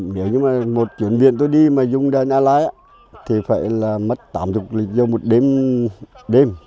nếu như một chuyển viện tôi đi mà dùng đèn led thì phải mất tám mươi lịch dụng một đêm